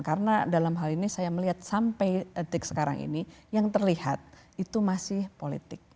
karena dalam hal ini saya melihat sampai detik sekarang ini yang terlihat itu masih politik